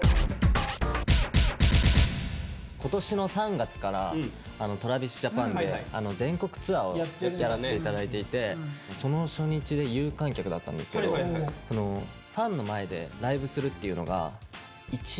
今年の３月からＴｒａｖｉｓＪａｐａｎで全国ツアーをやらせて頂いていてその初日で有観客だったんですけど久々だったのね。